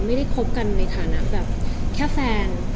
ไม่ได้คบกันในฐานะแบบแค่แฟน